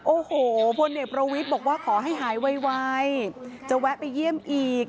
โอ้โหพลเอกประวิทย์บอกว่าขอให้หายไวจะแวะไปเยี่ยมอีก